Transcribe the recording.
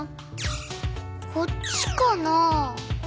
こっちかな？